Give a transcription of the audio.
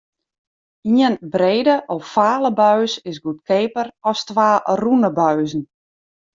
Ien brede ovale buis is goedkeaper as twa rûne buizen.